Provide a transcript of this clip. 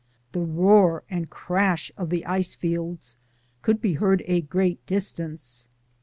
The roar and crash of the ice fields could be heard a great dis tance.